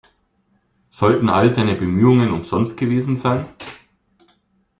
Sollten all seine Bemühungen umsonst gewesen sein?